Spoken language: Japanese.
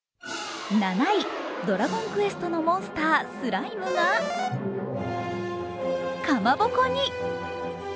「ドラゴンクエスト」のモンスター、スライムがかまぼこに！